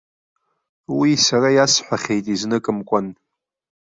Уи сара иасҳәахьеит изныкымкәан.